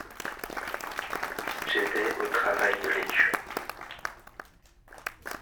J’aidais au travail de l’écurie.